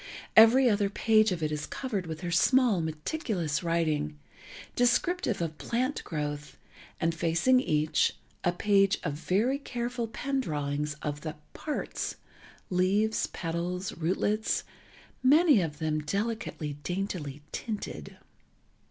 Every other page of it is covered with her small, meticulous writing, descriptive of plant growth, and facing each, a page of very careful pen drawings of the "parts"—leaves, petals, rootlets, many of them delicately, daintily tinted.